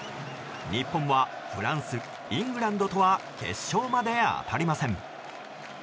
日本はフランス、イングランドとは決勝まで当たりません。